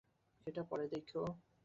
এটা পরে দেখো।